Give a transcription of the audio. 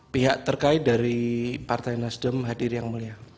pihak terkait dari partai nasdem hadir yang mulia